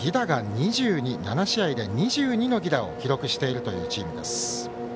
７試合で２２の犠打を記録しているというチームです。